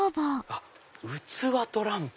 「器とランプ」。